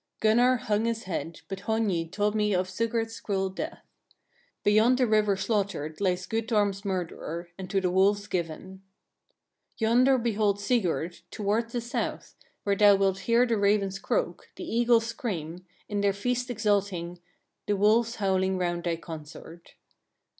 7. Gunnar hung his head, but Hogni told me of Sigurd's cruel death. "Beyond the river slaughtered lies Guthorm's murderer, and to the wolves given. 8. Yonder behold Sigurd, towards the south, there thou wilt hear the ravens croak, the eagles scream, in their feast exulting; the wolves howling round thy consort."